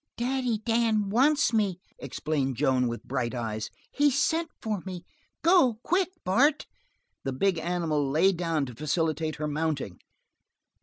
"Daddy Dan wants me," explained Joan with bright eyes. "He's sent for me. Go quick, Bart!" The big animal lay down to facilitate her mounting.